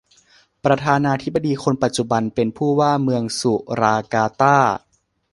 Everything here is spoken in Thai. ประธานาธิปดีคนปัจจุบัน เป็นผู้ว่าเมืองสุราการ์ตา